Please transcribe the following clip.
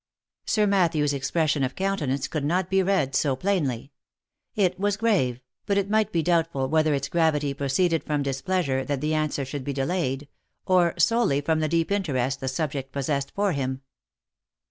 Sir Mat thew's expression of countenance could not be read so plainly; it was grave, but it might be doubtful whether its gravity proceeded from displeasure that the answer should be delayed, or solely from the deep interest the subject possessed for him.